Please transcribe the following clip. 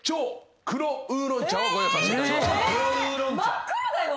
真っ黒だよ！？